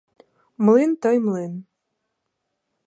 Млин, то й млин.